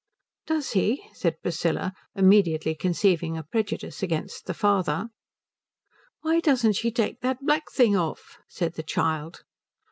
"Does he?" said Priscilla, immediately conceiving a prejudice against the father. "Why don't she take that black thing off?" said the child.